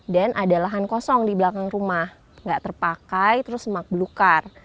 dan ada lahan kosong di belakang rumah gak terpakai terus semak belukar